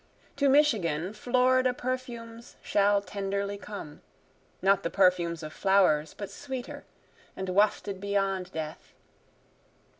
To Michigan, Florida perfumes shall tenderly come, Not the perfumes of flowers, but sweeter, and wafted beyond death.